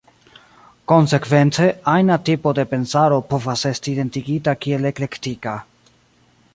Konsekvence, ajna tipo de pensaro povas esti identigita kiel eklektika.